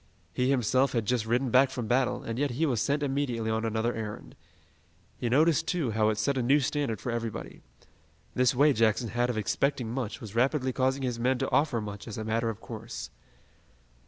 He himself had just ridden back from battle, and yet he was sent immediately on another errand. He noticed, too, how it set a new standard for everybody. This way Jackson had of expecting much was rapidly causing his men to offer much as a matter of course.